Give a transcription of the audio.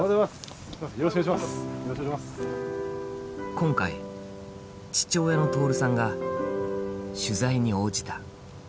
今回父親の徹さんが取材に応じた。